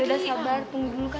yaudah sabar tunggu dulu kali